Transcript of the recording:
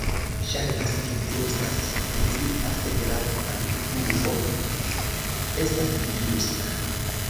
Ŝajnas, ke vi estas surprizita, sed la kalkulo estas ĝusta.